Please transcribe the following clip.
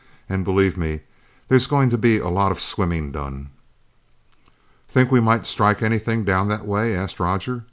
"And, believe me, there's going to be a lot of swimming done!" "Think we might strike anything down that way," asked Roger.